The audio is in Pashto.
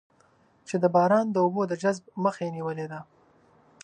چې د باران د اوبو د جذب مخه یې نېولې ده.